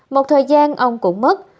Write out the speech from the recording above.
một thời gian ông cũng mất